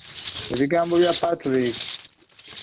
Ebigambo bya Patrick.